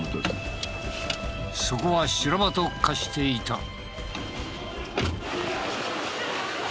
そこは修羅場と化していた。